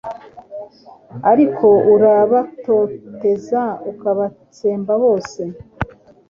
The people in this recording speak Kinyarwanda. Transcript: ariko arabatoteza akabatsemba bose